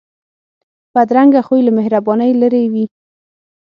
بدرنګه خوی له مهربانۍ لرې وي